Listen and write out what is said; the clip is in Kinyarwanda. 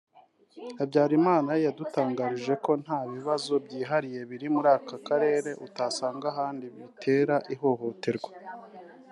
Habyarimana yadutangarije ko nta bibazo byihariye biri muri aka Karere utasanga ahandi bitera ihohoterwa